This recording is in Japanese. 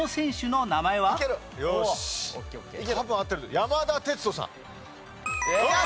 山田哲人さん。